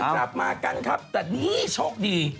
กลับมากันครับแต่นี่โชคดี